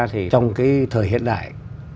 thì trong cái thời hiện đại